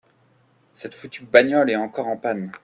Cette foutue bagnole est encore en panne.